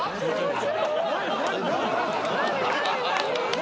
何？